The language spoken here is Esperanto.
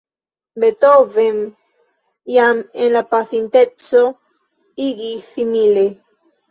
Beethoven jam en la pasinteco agis simile.